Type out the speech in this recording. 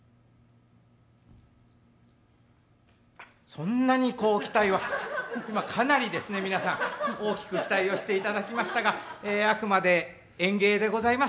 そんなにこう期待は今かなりですね皆さん大きく期待をしていただきましたがあくまで演芸でございます。